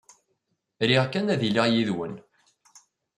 Riɣ kan ad iliɣ yid-wen.